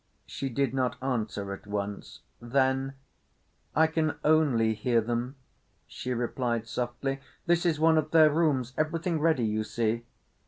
She did not answer at once. Then, "I can only hear them," she replied softly. "This is one of their rooms—everything ready, you see."